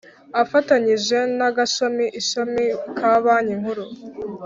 afatanyije n Agashami Ishami ka banki nkuru